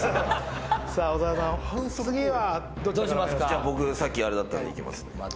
じゃあ僕さっきあれだったんでいきます。